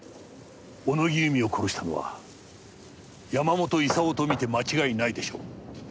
小野木由美を殺したのは山本功と見て間違いないでしょう。